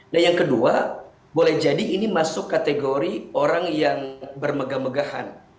nah yang kedua boleh jadi ini masuk kategori orang yang bermegah megahan